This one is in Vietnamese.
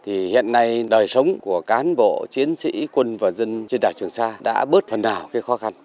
thì hiện nay đời sống của cán bộ chiến sĩ quân và dân trên đảo trường sa đã bớt phần nào cái khó khăn